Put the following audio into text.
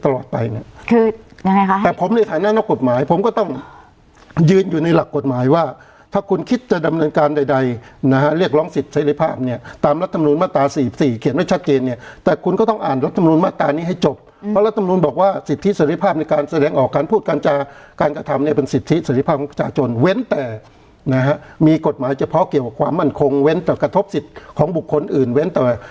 รักษ์ธรรมนูญ๔ศูนย์เขียนไว้ชัดเจนเนี่ยแต่คุณก็ต้องอ่านรัฐธรรมนูญมาตรานี้ให้จบเพราะรัฐธรรมนูญบอกว่าสิทธิสริภาพในการแสดงออกการพูดการกระทำเนี่ยเป็นสิทธิสริภาพของประชาชนเว้นแต่นะฮะมีกฎหมายเฉพาะเกี่ยวกับความมั่นคงเว้นแต่กระทบสิทธิของบุคคลอื่นเว้